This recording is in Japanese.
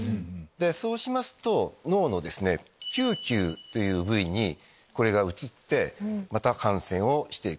そうしますと脳の嗅球という部位にこれが移ってまた感染をしていくと。